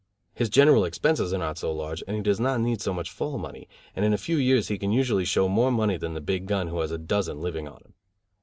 His general expenses are not so large and he does not need so much fall money; and in a few years he can usually show more money than the big gun who has a dozen living on him.